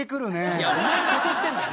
いやお前が誘ってんだよ。